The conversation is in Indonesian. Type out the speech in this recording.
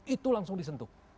itu langsung disentuh